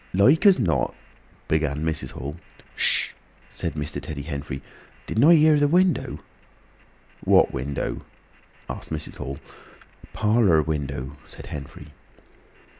"Like as not—" began Mrs. Hall. "Hsh!" said Mr. Teddy Henfrey. "Didn't I hear the window?" "What window?" asked Mrs. Hall. "Parlour window," said Henfrey.